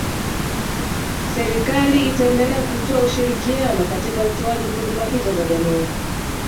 Serikali itaendelea kutoa ushirikiano katika utoaji huduma hizo za jamii